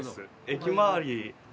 駅周りで。